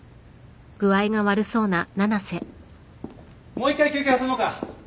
もう一回休憩挟もうか。